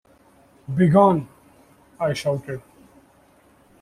‘Begone!’ I shouted.